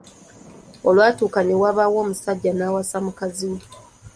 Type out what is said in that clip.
Olwatuuka ne wabaawo omusajja n’awasa mukazi we.